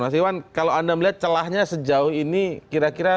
mas iwan kalau anda melihat celahnya sejauh ini kira kira bisa tidak ini kemudahan dikira